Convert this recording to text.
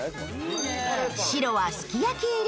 白はすき焼き入り